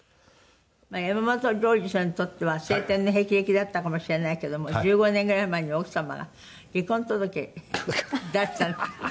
「山本譲二さんにとっては青天の霹靂だったかもしれないけども１５年ぐらい前に奥様が離婚届出したんですって？